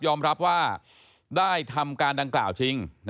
รับว่าได้ทำการดังกล่าวจริง